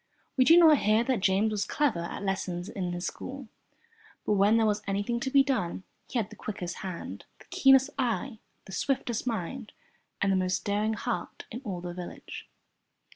We do not hear that James was clever at lessons in his school, but when there was anything to be done, he had the quickest hand, the keenest eye, the swiftest mind, and the most daring heart in all the village.